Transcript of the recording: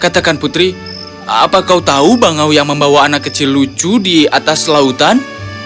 katakan putri apa kau tahu bangau yang membawa anak kecil lucu di atas lautan